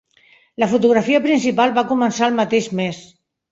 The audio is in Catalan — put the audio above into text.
La fotografia principal va començar el mateix mes.